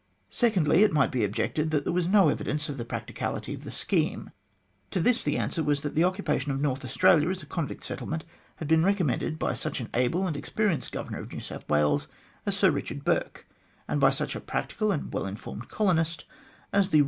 Secondly, it might be objected that there was no evidence of the practicability of the scheme. To this the answer was that the occupation of North Australia as a convict settle ment had been recommended by such an able and experienced Governor of New South Wales as Sir Eichard Bourke, and by such a practical and well informed colonist as the Eev.